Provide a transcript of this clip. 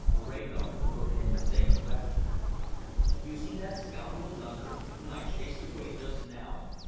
Moreno looked in the same direction. "You see that scoundrel yonder, whom I chased away just now.